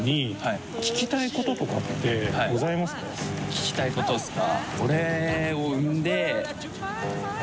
聞きたいことですか？